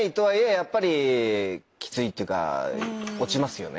やっぱりキツいっていうか落ちますよね。